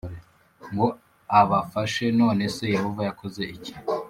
ngo abafashe None se Yehova yakoze iki